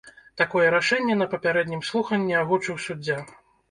Такое рашэнне на папярэднім слуханні агучыў суддзя.